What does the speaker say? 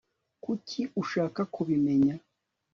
kuki ushaka kubimenya